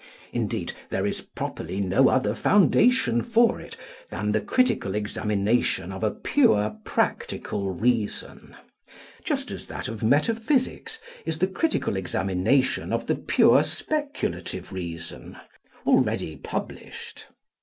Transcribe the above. Indeed there is properly no other foundation for it than the critical examination of a pure practical reason; just as that of metaphysics is the critical examination of the pure speculative reason, already published.